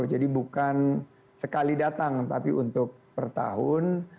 jadi bukan sekali datang tapi untuk per tahun